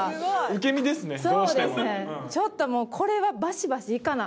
ちょっともうこれはバシバシいかな。